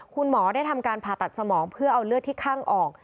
คุณหมอได้ทำการผ่าตัดสมองเพื่อเอาเลือดที่ข้างออก